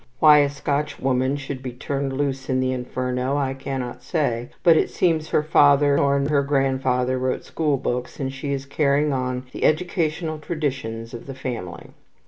Why a Scotchwoman should be turned loose in the Inferno, I cannot say; but it seems her father or her grandfather wrote school books, and she is carrying on the educational traditions of the family.